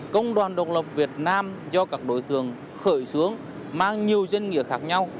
công đoàn độc lập việt nam do các đối tượng khởi xướng mang nhiều dân nghĩa khác nhau